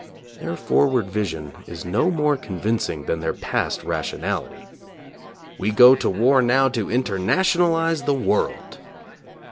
Their forward vision is no more convincing than their past rationality. We go to war now to internationalize the world!